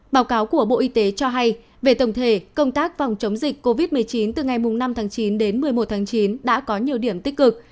báo cáo của bộ y tế cho hay về tổng thể công tác phòng chống dịch covid một mươi chín từ ngày năm tháng chín đến một mươi một tháng chín đã có nhiều điểm tích cực